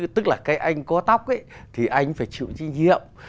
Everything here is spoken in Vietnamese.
tức là cái anh có tóc ấy thì anh phải chịu trách nhiệm